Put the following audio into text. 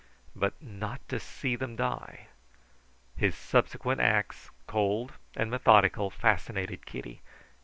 But not to see them die! His subsequent acts, cold and methodical, fascinated Kitty.